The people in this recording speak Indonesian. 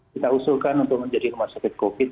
kita usulkan untuk menjadi rumah sakit covid